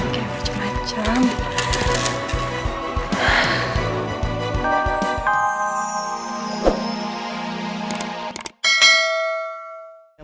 gak ada yang macam macam